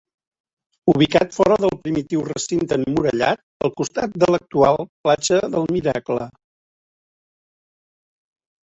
Ubicat fora del primitiu recinte emmurallat, al costat de l'actual platja del Miracle.